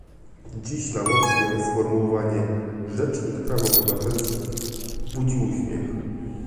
Dziś na Łotwie sformułowanie "rzecznik praw obywatelskich" budzi uśmiech